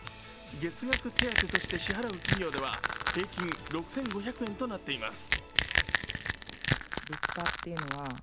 月額手当として支払う企業では平均６５００円となっています。